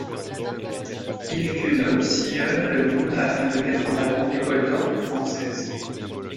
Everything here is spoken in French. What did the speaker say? Yves Cuenot sillonne le monde afin de mettre en avant l'école d'orgue française.